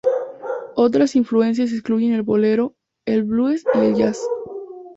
Otras influencias incluyen el bolero, el blues y el jazz.